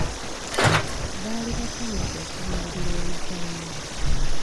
Baali basanyufu okuwangula oluzannya.